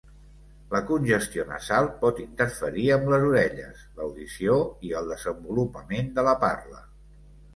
La congestió nasal pot interferir amb les orelles, l'audició, i el desenvolupament de la parla.